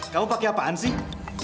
kamu pakai apaan sih